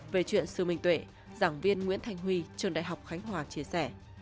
về chuyện sư minh tuệ giảng viên nguyễn thanh huy trường đại học khánh hòa chia sẻ